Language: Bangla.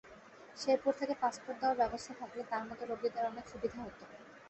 শেরপুর থেকে পাসপোর্ট দেওয়ার ব্যবস্থা থাকলে তাঁর মতো রোগীদের অনেক সুবিধা হতো।